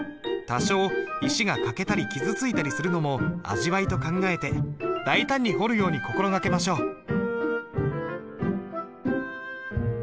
多少石が欠けたり傷ついたりするのも味わいと考えて大胆に彫るように心がけましょう。